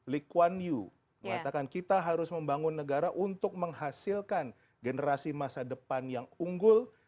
lee kwan yu mengatakan kita harus membangun negara untuk menghasilkan generasi masa depan yang unggul